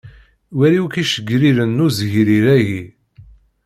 Wali akk iceggiren n uzegrir-agi.